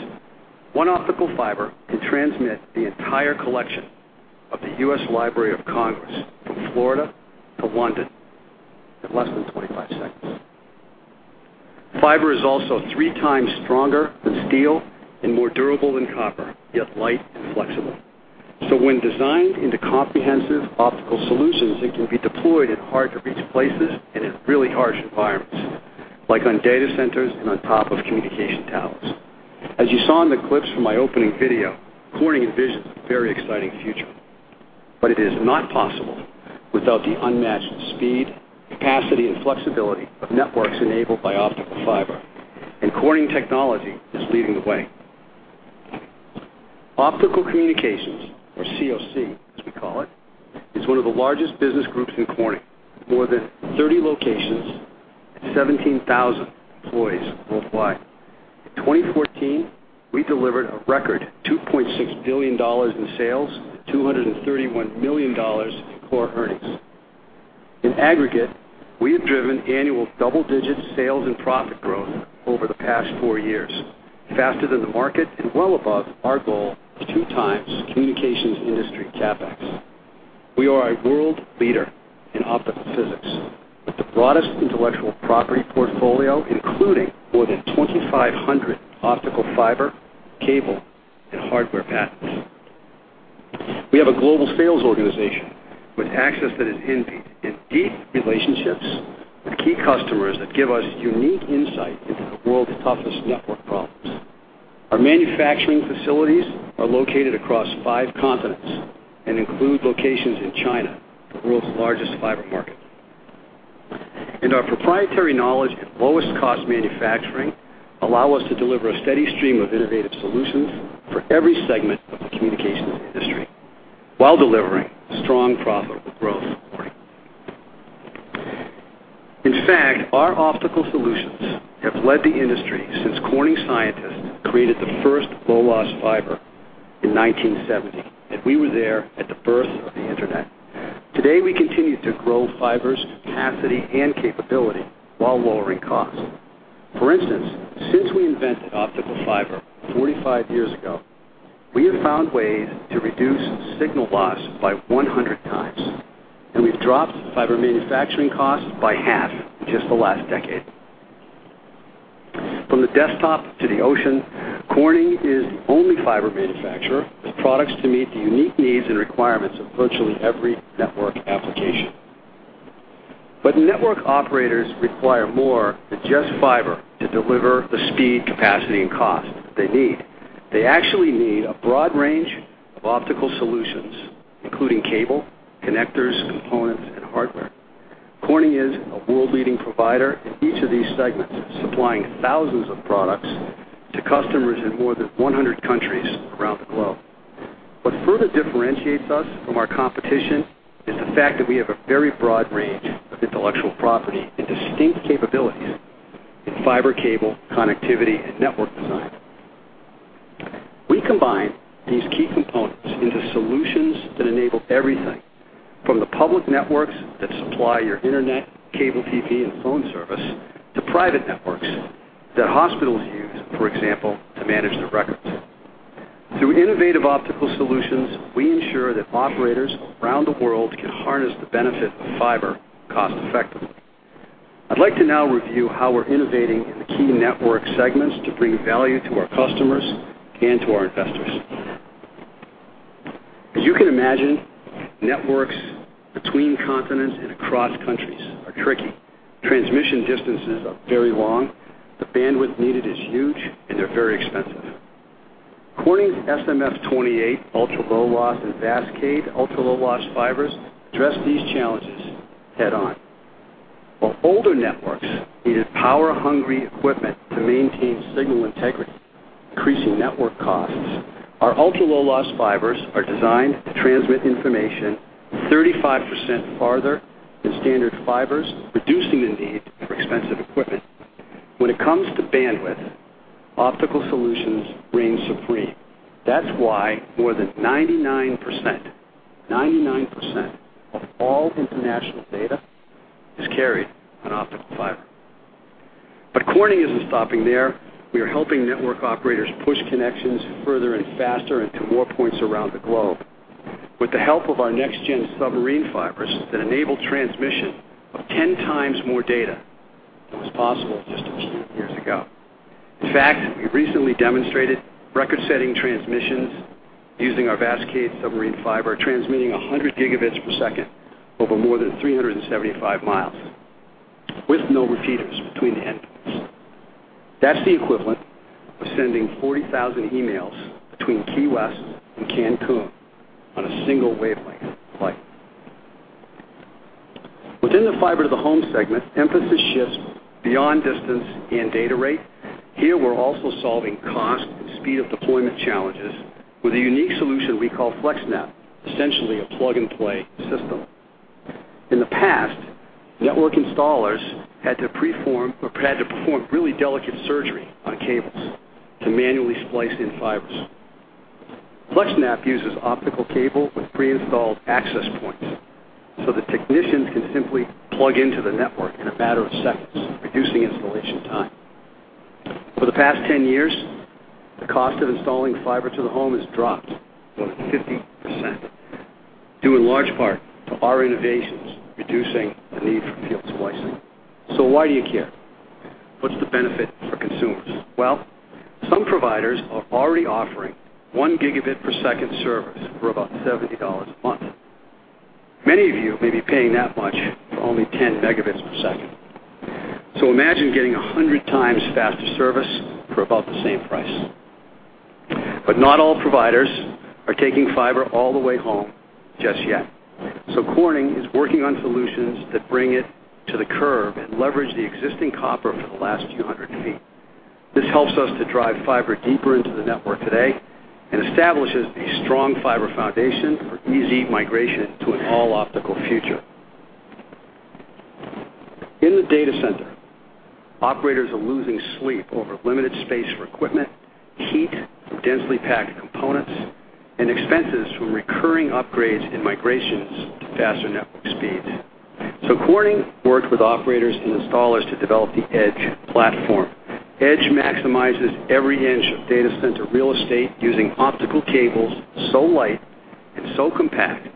one optical fiber can transmit the entire collection of the U.S. Library of Congress from Florida to London in less than 25 seconds. Fiber is also three times stronger than steel and more durable than copper, yet light and flexible. When designed into comprehensive optical solutions, it can be deployed in hard-to-reach places and in really harsh environments, like on data centers and on top of communication towers. As you saw in the clips from my opening video, Corning envisions a very exciting future. But it is not possible without the unmatched speed, capacity, and flexibility of networks enabled by optical fiber. Corning Technology is leading the way. Optical Communications, or COC as we call it, is one of the largest business groups in Corning, with more than 30 locations and 17,000 employees worldwide. In 2014, we delivered a record $2.6 billion in sales and $231 million in core earnings. In aggregate, we have driven annual double-digit sales and profit growth over the past four years, faster than the market and well above our goal of two times communications industry CapEx. We are a world leader in optical physics, with the broadest intellectual property portfolio, including more than 2,500 optical fiber, cable, and hardware patents. We have a global sales organization with access that is envied and deep relationships with key customers that give us unique insight into the world's toughest network problems. Our manufacturing facilities are located across five continents and include locations in China, the world's largest fiber market. Our proprietary knowledge in lowest cost manufacturing allow us to deliver a steady stream of innovative solutions for every segment of the communications industry while delivering strong, profitable growth for Corning. In fact, our optical solutions have led the industry since Corning scientists created the first low-loss fiber in 1970, and we were there at the birth of the internet. Today, we continue to grow fiber's capacity and capability while lowering costs. For instance, since we invented optical fiber 45 years ago, we have found ways to reduce signal loss by 100 times, and we've dropped fiber manufacturing costs by half in just the last decade. From the desktop to the ocean, Corning is the only fiber manufacturer with products to meet the unique needs and requirements of virtually every network application. Network operators require more than just fiber to deliver the speed, capacity, and cost they need. They actually need a broad range of optical solutions, including cable, connectors, components, and hardware. Corning is a world-leading provider in each of these segments, supplying thousands of products to customers in more than 100 countries around the globe. What further differentiates us from our competition is the fact that we have a very broad range of intellectual property and distinct capabilities in fiber cable, connectivity, and network design. We combine these key components into solutions that enable everything from the public networks that supply your internet, cable TV, and phone service to private networks that hospitals use, for example, to manage their records. Through innovative optical solutions, we ensure that operators around the world can harness the benefit of fiber cost-effectively. I'd like to now review how we're innovating in the key network segments to bring value to our customers and to our investors. You can imagine networks between continents and across countries are tricky. Transmission distances are very long, the bandwidth needed is huge, and they're very expensive. Corning's SMF-28 ultra low loss and Vascade ultra low loss fibers address these challenges head on. While older networks needed power-hungry equipment to maintain signal integrity, increasing network costs, our ultra low loss fibers are designed to transmit information 35% farther than standard fibers, reducing the need for expensive equipment. When it comes to bandwidth, optical solutions reign supreme. That's why more than 99% of all international data is carried on optical fiber. Corning isn't stopping there. We are helping network operators push connections further and faster and to more points around the globe. With the help of our next gen submarine fibers that enable transmission of 10 times more data than was possible just a few years ago. In fact, we recently demonstrated record-setting transmissions using our Vascade submarine fiber, transmitting 100 gigabits per second over more than 375 miles with no repeaters between the endpoints. That's the equivalent of sending 40,000 emails between Key West and Cancun on a single wavelength of light. Within the fiber to the home segment, emphasis shifts beyond distance and data rate. Here we're also solving cost and speed of deployment challenges with a unique solution we call FlexNAP, essentially a plug-and-play system. In the past, network installers had to perform really delicate surgery on cables to manually splice in fibers. FlexNAP uses optical cable with pre-installed access points, so the technicians can simply plug into the network in a matter of seconds, reducing installation time. For the past 10 years, the cost of installing fiber to the home has dropped more than 50%, due in large part to our innovations, reducing the need for field splicing. Why do you care? What's the benefit for consumers? Some providers are already offering one gigabit per second service for about $70 a month. Many of you may be paying that much for only 10 megabits per second. Imagine getting 100 times faster service for about the same price. Not all providers are taking fiber all the way home just yet. Corning is working on solutions that bring it to the curb and leverage the existing copper for the last few hundred feet. This helps us to drive fiber deeper into the network today and establishes a strong fiber foundation for easy migration to an all-optical future. In the data center, operators are losing sleep over limited space for equipment, heat from densely packed components, and expenses from recurring upgrades and migrations to faster network speeds. Corning worked with operators and installers to develop the EDGE platform. EDGE maximizes every inch of data center real estate using optical cables so light and so compact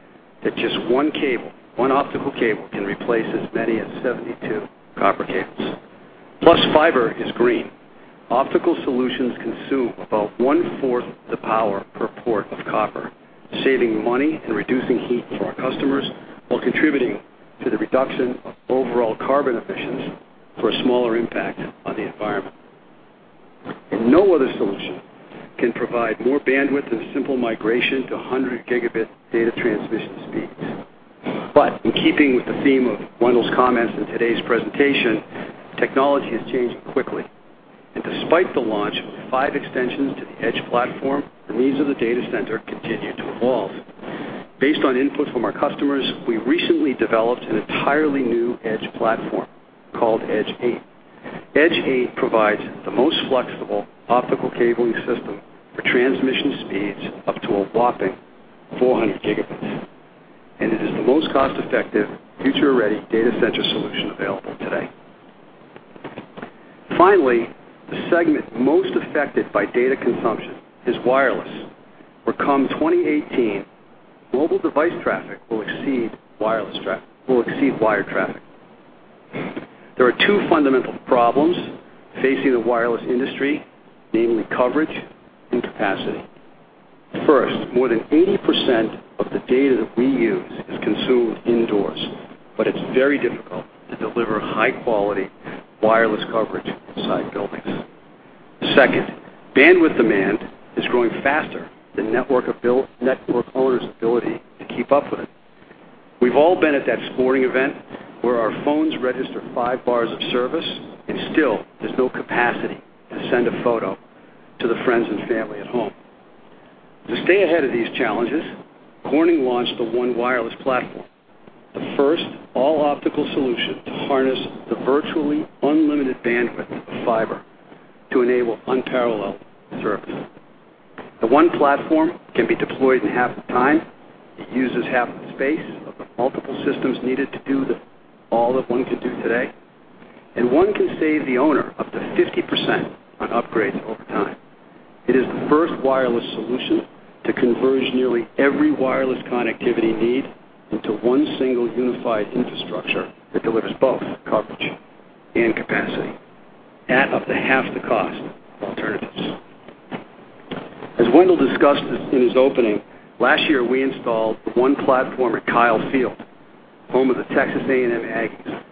that just one cable, one optical cable, can replace as many as 72 copper cables. Plus, fiber is green. Optical solutions consume about one fourth the power per port of copper, saving money and reducing heat for our customers while contributing to the reduction of overall carbon emissions for a smaller impact on the environment. No other solution can provide more bandwidth and simple migration to 100 gigabit data transmission speeds. In keeping with the theme of Wendell's comments in today's presentation, technology is changing quickly. Despite the launch of five extensions to the EDGE platform, the needs of the data center continue to evolve. Based on input from our customers, we recently developed an entirely new EDGE platform called EDGE8. EDGE8 provides the most flexible optical cabling system for transmission speeds up to a whopping 400 gigabits. It is the most cost-effective, future-ready data center solution available today. Finally, the segment most affected by data consumption is wireless, where come 2018, mobile device traffic will exceed wired traffic. There are two fundamental problems facing the wireless industry, namely coverage and capacity. First, more than 80% of the data that we use is consumed indoors, but it's very difficult to deliver high-quality wireless coverage inside buildings. Second, bandwidth demand is growing faster than network owners' ability to keep up with it. We've all been at that sporting event where our phones register five bars of service, and still, there's no capacity to send a photo to the friends and family at home. To stay ahead of these challenges, Corning launched the Corning ONE Wireless Platform, the first all-optical solution to harness the virtually unlimited bandwidth of fiber to enable unparalleled service. The ONE Platform can be deployed in half the time. It uses half the space of the multiple systems needed to do all that one can do today. ONE can save the owner up to 50% on upgrades over time. It is the first wireless solution to converge nearly every wireless connectivity need into one single unified infrastructure that delivers both coverage and capacity at up to half the cost of alternatives. As Wendell discussed in his opening, last year, we installed the ONE Platform at Kyle Field, home of the Texas A&M Aggies.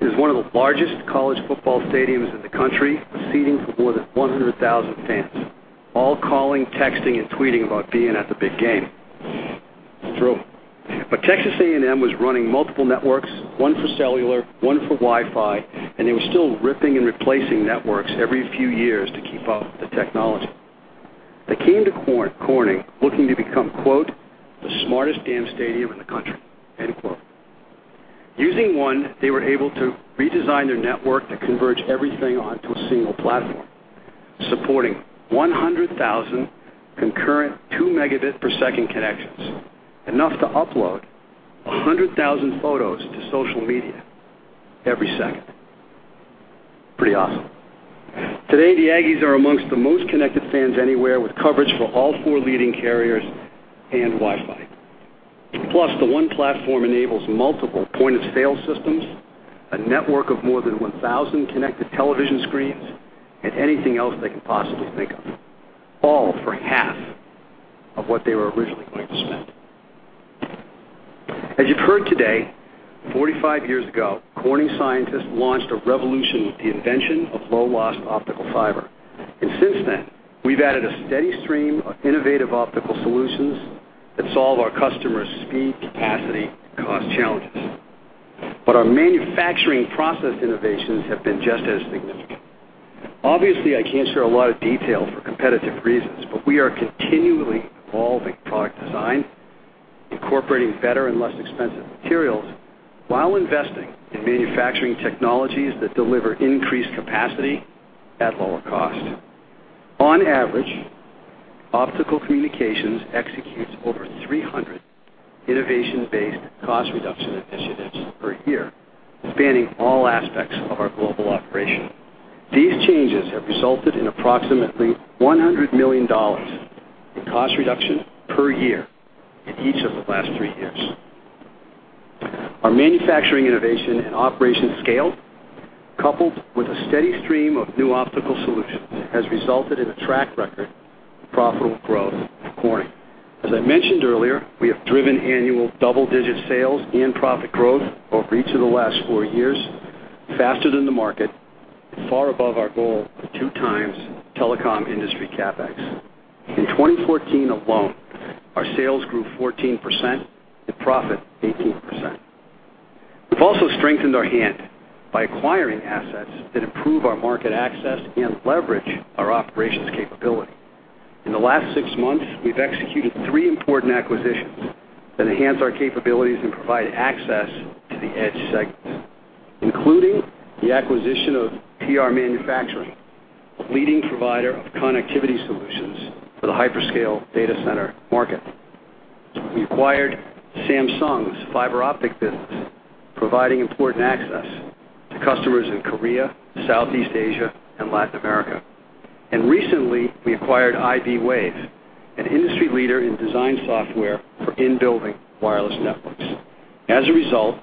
It is one of the largest college football stadiums in the country, with seating for more than 100,000 fans, all calling, texting, and tweeting about being at the big game. It's true. Texas A&M was running multiple networks, one for cellular, one for Wi-Fi, and they were still ripping and replacing networks every few years to keep up with the technology. They came to Corning looking to become, quote, "the smartest damn stadium in the country," end quote. Using ONE, they were able to redesign their network to converge everything onto a single platform, supporting 100,000 concurrent two megabit per second connections, enough to upload 100,000 photos to social media every second. Pretty awesome. Today, the Aggies are amongst the most connected fans anywhere, with coverage for all four leading carriers and Wi-Fi. Plus, the ONE Platform enables multiple point-of-sale systems, a network of more than 1,000 connected television screens, and anything else they could possibly think of, all for half of what they were originally going to spend. As you've heard today, 45 years ago, Corning scientists launched a revolution with the invention of low-loss optical fiber. Since then, we've added a steady stream of innovative optical solutions that solve our customers' speed, capacity, and cost challenges. Our manufacturing process innovations have been just as significant. Obviously, I can't share a lot of detail for competitive reasons, but we are continually evolving product design, incorporating better and less expensive materials, while investing in manufacturing technologies that deliver increased capacity at lower cost. On average, Optical Communications executes over 300 innovation-based cost reduction initiatives per year, spanning all aspects of our global operation. These changes have resulted in approximately $100 million in cost reduction per year in each of the last three years. Our manufacturing innovation and operation scale, coupled with a steady stream of new optical solutions, has resulted in a track record of profitable growth for Corning. As I mentioned earlier, we have driven annual double-digit sales and profit growth over each of the last four years, faster than the market, far above our goal of two times telecom industry CapEx. In 2014 alone, our sales grew 14%, and profit 18%. We've also strengthened our hand by acquiring assets that improve our market access and leverage our operations capability. In the last six months, we've executed three important acquisitions that enhance our capabilities and provide access to the edge segments, including the acquisition of Prysmian Group, a leading provider of connectivity solutions for the hyperscale data center market. We acquired Samsung's fiber optic business, providing important access to customers in Korea, Southeast Asia, and Latin America. Recently, we acquired iBwave, an industry leader in design software for in-building wireless networks. As a result,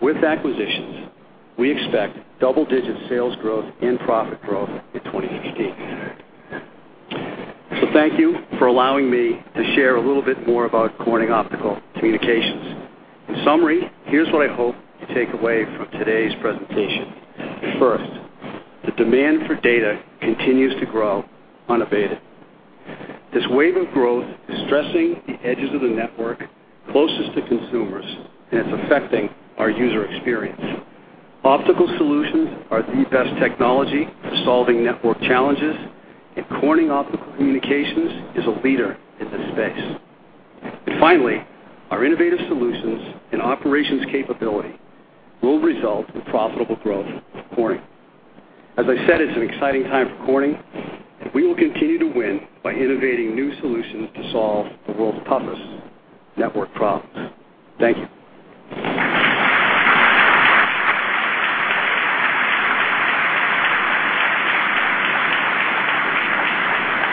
with acquisitions, we expect double-digit sales growth and profit growth in 2018. Thank you for allowing me to share a little bit more about Corning Optical Communications. In summary, here's what I hope you take away from today's presentation. First, the demand for data continues to grow unabated. This wave of growth is stressing the edges of the network closest to consumers, and it's affecting our user experience. Optical solutions are the best technology for solving network challenges, Corning Optical Communications is a leader in this space. Finally, our innovative solutions and operations capability will result in profitable growth for Corning. As I said, it's an exciting time for Corning, and we will continue to win by innovating new solutions to solve the world's toughest network problems. Thank you.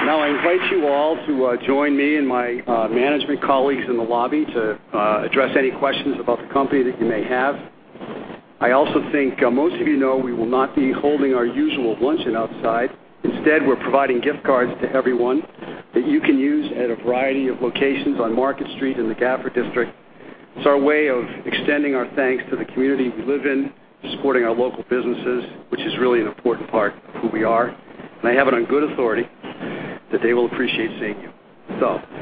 Now I invite you all to join me and my management colleagues in the lobby to address any questions about the company that you may have. I also think most of you know we will not be holding our usual luncheon outside. Instead, we're providing gift cards to everyone that you can use at a variety of locations on Market Street in the Gaffer District. It's our way of extending our thanks to the community we live in, supporting our local businesses, which is really an important part of who we are. I have it on good authority that they will appreciate seeing you. Thank you.